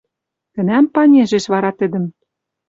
Тӹнӓм панежеш вара тӹдӹм.